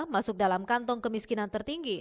masuk dalam kantong kemiskinan tertinggi